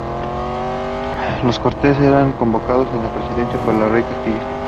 Las Cortes eran convocadas y presididas por el rey de Castilla.